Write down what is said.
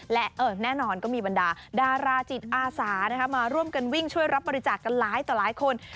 และแน่นอนก็มีบรรดาดาราจิตอาสามาร่วมกันวิ่งช่วยรับบริจาคกันหลายต่อหลายคน